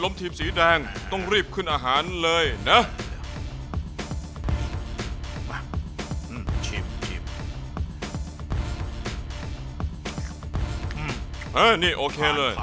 มีอีกลริก